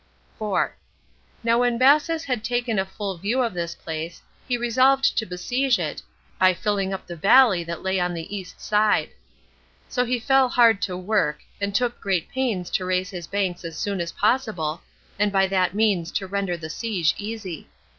4. Now when Bassus had taken a full view of this place, he resolved to besiege it, by filling up the valley that lay on the east side; so he fell hard to work, and took great pains to raise his banks as soon as possible, and by that means to render the siege easy.